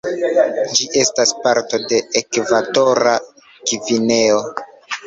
Ĝi estas parto de Ekvatora Gvineo.